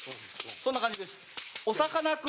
そんな感じです。